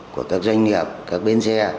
của các doanh nghiệp các bến xe